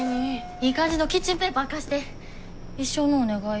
いい感じのキッチンペーパー貸して一生のお願い。